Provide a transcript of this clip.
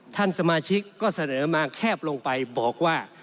ท่านสมาชิกก็เสนอมาแคบลงไปบอกว่า